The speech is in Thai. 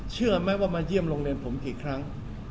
เชื่อไหมว่ามาเยี่ยมโรงเรียนผมกี่ครั้ง